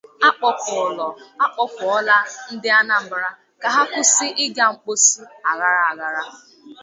A Kpọkuola Ndị Anambra Ka Ha Kwụsị Ịga Mposi Aghara Aghara